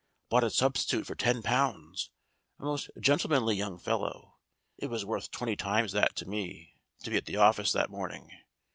Bought a substitute for ten pounds a most gentlemanly young fellow. It was worth twenty times that to me to be at the office that morning.